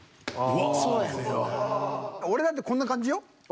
俺だってこんな感じよ。